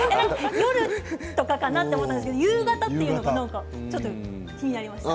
夜とかかなと思ったんですが夕方というのが気になりました。